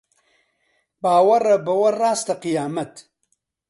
باوەڕە بەوە ڕاستە قیامەت